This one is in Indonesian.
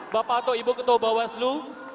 bapak atau ibu ketua bawaslu